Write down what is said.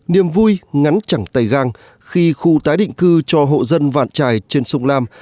niềm vui ngắn chẳng tay gang khi khu tái định cư cho hộ dân vạn trài trên sông lam